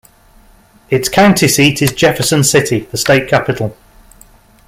Its county seat is Jefferson City, the state capital.